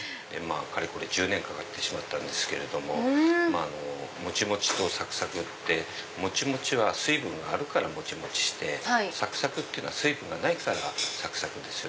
かれこれ１０年かかってしまったんですけどももちもちとサクサクってもちもちは水分があるからもちもちしてサクサクっていうのは水分がないからサクサク。